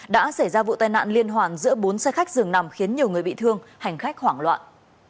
đã xảy ra vụ tai nạn liên hoàn giữa bốn xe khách dường nằm khiến nhiều người bị thương hành khách hoảng loạn